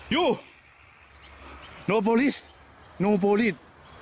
วิ่งไปฝั่งนู้น